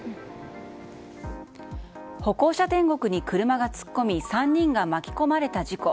歩行者天国に車が突っ込み３人が巻き込まれた事故。